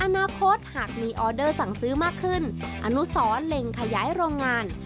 อนาคตหากมีออเดอร์สั่งซื้อมากขึ้นอนุสรเล็งขยายโรงงาน